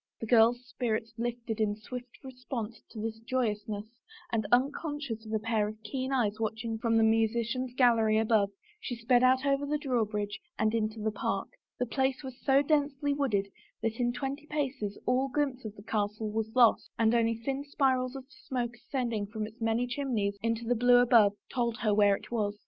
The girl's spirits lifted in swift response to its joyousness and unconscious of a pair of keen eyes watching from the musician's gallery above she sped out over the drawbridge and into the park. The place was so densely wooded that in twenty paces all glimpse of the castle was lost and only thin spirals of smoke ascending from its many chimneys into the blue above told her where it was.